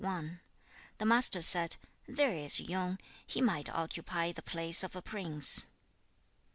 The Master said, 'There is Yung! He might occupy the place of a prince.'